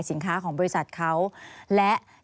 มีความรู้สึกว่ามีความรู้สึกว่า